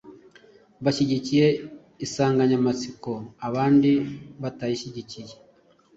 bashyigikiye insanganyamatsiko abandi batayishyigikiye.